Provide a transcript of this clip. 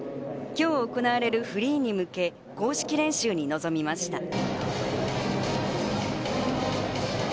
今日行われるフリーに向け、公式練習に臨みました。